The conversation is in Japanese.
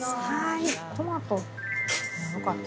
トマトもよかったな。